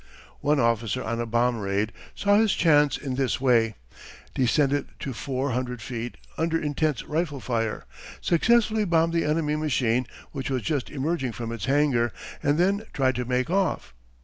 One officer on a bomb raid saw his chance in this way, descended to four hundred feet under intense rifle fire, successfully bombed the enemy machine, which was just emerging from its hangar, and then tried to make off.